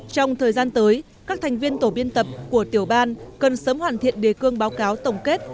trong thời gian tới các thành viên tổ biên tập của tiểu ban cần sớm hoàn thiện đề cương báo cáo tổng kết